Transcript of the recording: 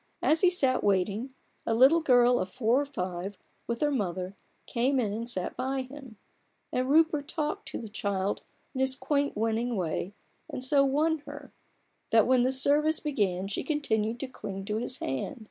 As he sat waiting, a little girl of four or five, with her mother, came in and sat by him : and Rupert talked to the child in his quaint, winning way, and so won her, that when the service began she continued to cling to his hand.